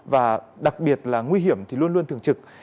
và đặc biệt là nguy hiểm thì luôn luôn thường trực